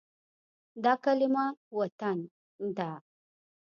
دا کلمه “وطن” ده.